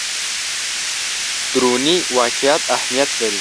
دروني واقعیت اهمیت لري.